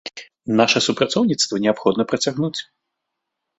Наша супрацоўніцтва неабходна працягнуць.